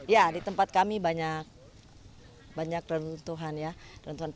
ya di tempat kami banyak rentuhan